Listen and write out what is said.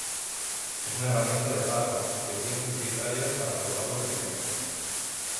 Es una herramienta de pago, aunque tiene un Free Trial para probarlo previamente.